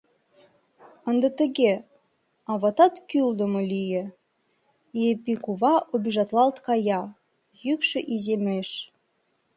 — Ынде тыге, аватат кӱлдымӧ лие, — Епи кува обижатлалт кая, йӱкшӧ иземеш.